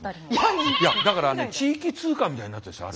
いやだから地域通貨みたいになってるんですよ。